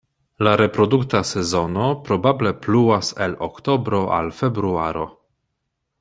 La reprodukta sezono probable pluas el oktobro al februaro.